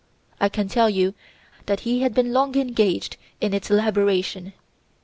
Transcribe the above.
I can tell you that he had long been engaged on its elaboration.